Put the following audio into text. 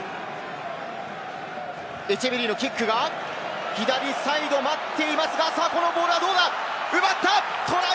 エチェベリーのキックが左サイドを待っていますが、このボールはどうだ？